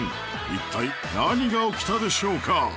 一体何が起きたでしょうか？